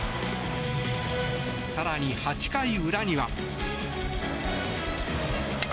更に、８回裏には。